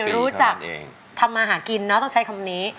รู้จักทำมาหากินเนอะต้องใช้คำนี้